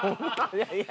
いやいや！